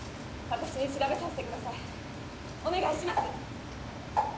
私に調べさせてくださいお願いします！